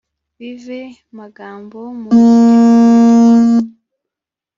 Bive magambo mu bishyire mu nyandiko.